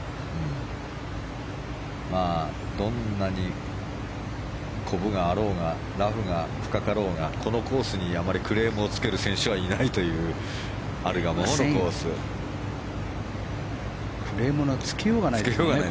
どんなにこぶがあろうがラフが深かろうがこのコースに、あまりクレームをつける選手はいないというクレームのつけようがないですよね。